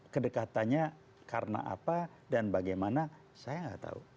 kedekatannya karena apa dan bagaimana saya nggak tahu